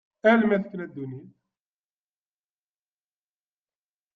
Ala ma tefna ddunit.